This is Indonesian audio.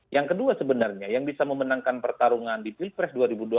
yang kedua sebenarnya yang bisa memenangkan pertarungan di pilpres dua ribu dua puluh